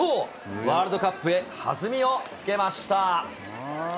ワールドカップへ弾みをつけました。